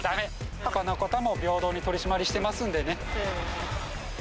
ほかの方も平等に取締りしてますんでね。